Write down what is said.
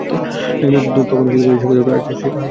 তখন এই জগৎ আর সেই পূর্বের জগৎ থাকিবে না।